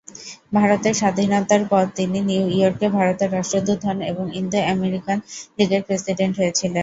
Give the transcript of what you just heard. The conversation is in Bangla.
ভারতের স্বাধীনতার পর তিনি নিউ ইয়র্কে ভারতের রাষ্ট্রদূত হন এবং ইন্দো-আমেরিকান লিগের প্রেসিডেন্ট হয়েছিলেন।